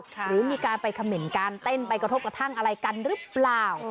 หรือมีการไปเขม่นการเต้นไปกระทบกระทั่งอะไรกันหรือเปล่า